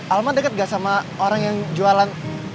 alma dekat gak sama orang yang jualan